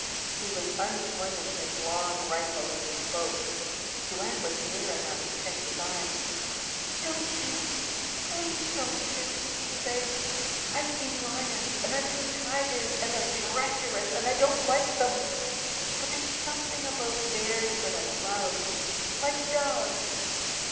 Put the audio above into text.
He was unslinging his long rifle as he spoke. Joanne was near enough to catch his arm. "Don't shoot please don't shoot!" she begged. "I've seen lions, and I've seen tigers and they're treacherous and I don't like them. But there's something about bears that I love, like dogs.